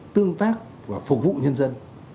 tương tác và phục vụ nhân dân